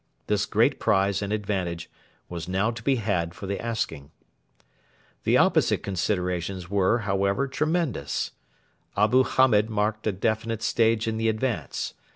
This great prize and advantage was now to be had for the asking. The opposite considerations were, however, tremendous. Abu Hamed marked a definite stage in the advance.